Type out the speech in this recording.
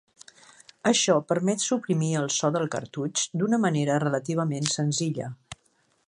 Això permet suprimir el so del cartutx d'una manera relativament senzilla.